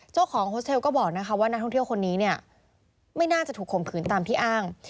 โฮสเทลก็บอกนะคะว่านักท่องเที่ยวคนนี้เนี่ยไม่น่าจะถูกข่มขืนตามที่อ้าง